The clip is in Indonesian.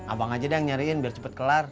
abang aja deh yang nyariin biar cepet kelar